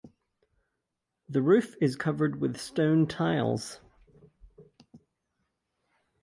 The roof is covered with stone tiles.